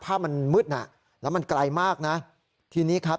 ภาพมันมืดน่ะแล้วมันไกลมากนะทีนี้ครับ